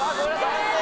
残念。